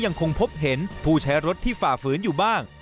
ยังคงพบเห็นผู้ใช้รถที่ฝ่าฝืนอยู่บ้าง